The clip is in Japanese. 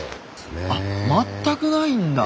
あ全くないんだ。